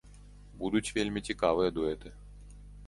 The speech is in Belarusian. Будуць вельмі цікавыя дуэты.